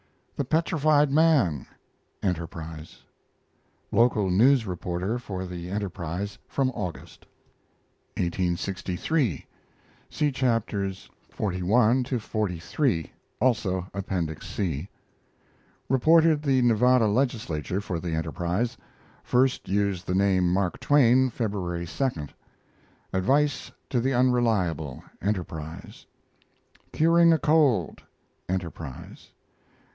THE PETRIFIED MAN Enterprise. Local news reporter for the Enterprise from August. 1863. (See Chapters xli to xliii; also Appendix C.) Reported the Nevada Legislature for the Enterprise. First used the name "Mark Twain," February 2. ADVICE TO THE UNRELIABLE Enterprise. CURING A COLD Enterprise.